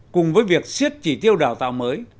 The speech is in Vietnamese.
cùng với việc xiết chỉ tiêu đào tạo mới